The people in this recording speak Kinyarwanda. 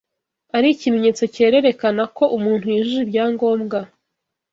ari ikimenyetso cyererekana ko umuntu yujuje ibyangombwa